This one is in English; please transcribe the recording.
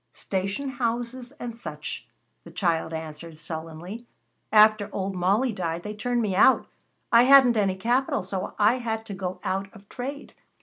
"Station houses and such," the child answered sullenly. "After old Molly died, they turned me out. I hadn't any capital, so I had to go out of trade.